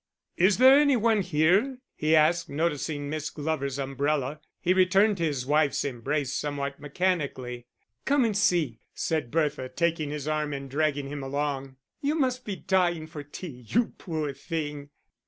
"Is any one here?" he asked, noticing Miss Glover's umbrella. He returned his wife's embrace somewhat mechanically. "Come and see," said Bertha, taking his arm and dragging him along. "You must be dying for tea, you poor thing."